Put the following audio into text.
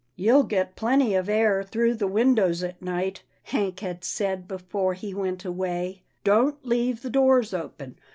" You'll get plenty of air through the windows at night," Hank had said before he went away. " Don't leave the doors open.